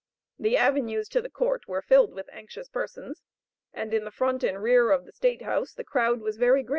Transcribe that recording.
The avenues to the court were filled with anxious persons, and in the front and rear of the state house the crowd was very great.